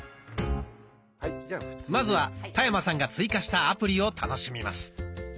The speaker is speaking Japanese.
まずは田山さんが追加したアプリを楽しみます。